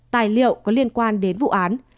tài liệu có liên quan đến vụ án